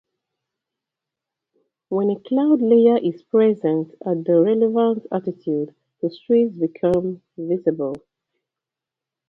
When a cloud layer is present at the relevant altitude, the streets become visible.